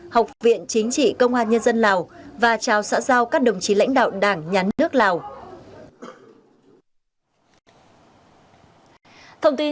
học viện chính trị công an nhân dân lào và trao xã giao các đồng chí lãnh đạo đảng nhà nước lào